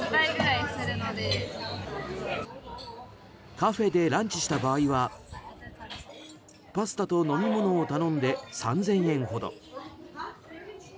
カフェでランチした場合はパスタと飲み物を頼んで３０００円ほど。